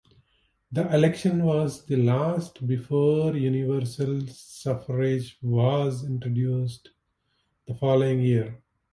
The election was the last before universal suffrage was introduced the following year.